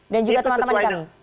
dan juga teman teman di kami